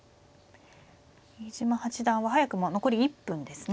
飯島八段は早くも残り１分ですね。